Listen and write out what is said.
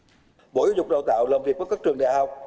thủ tướng ra bộ giáo dục đào tạo làm việc với các trường đại học